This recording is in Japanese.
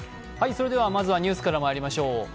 まずはニュースからまいりましょう。